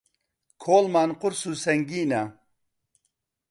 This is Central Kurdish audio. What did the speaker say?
کۆڵمان قورس و سەنگینە